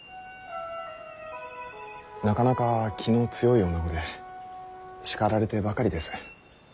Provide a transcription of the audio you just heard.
なかなか気の強い女子で叱られてばかりです。